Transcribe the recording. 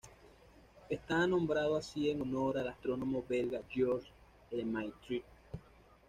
Está nombrado así en honor al astrónomo belga Georges Lemaître.